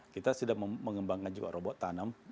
kita sudah mengembangkan juga robot tanam